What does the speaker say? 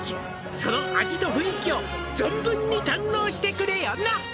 「その味と雰囲気を存分に堪能してくれよな！」